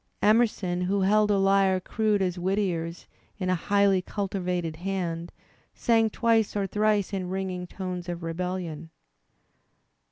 Emerson, who held a lyre crude as Whittier's in a highly cultivated hand, sang twice or thrice in ringing tones of rebellion.